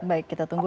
baik kita tunggu